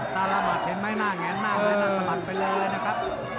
ตาระมัดเห็นไหมหน้าแงนมากเลยหน้าสะบัดไปเลยนะครับ